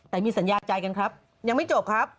แต่มีสัญญาใจกันครับยังไม่จบครับ